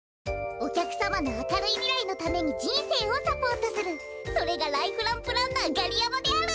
おきゃくさまのあかるいみらいのためにじんせいをサポートするそれがライフランプランナーガリヤマである。